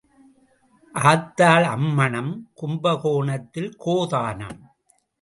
ஆத்தாள் அம்மணம் கும்பகோணத்தில் கோதானம்.